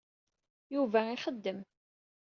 Yuba ixeddem.